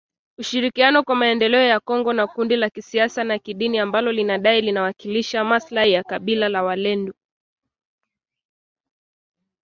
Ushirikiano kwa Maendeleo ya kongo na kundi la kisiasa na kidini ambalo linadai linawakilisha maslahi ya kabila la walendu.